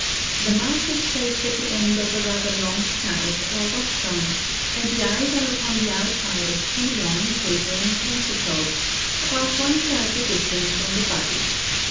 The mouth is placed at the end of a rather long snout or rostrum and the eyes are upon the outside of two long, tapering tentacles, about one third the distance from the body.